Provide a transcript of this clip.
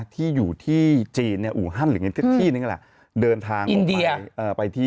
ที่อยู่ที่จีนอูฮันหรือที่นี่แหละเดินทางออกไป